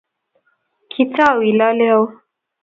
Kitau ilale au?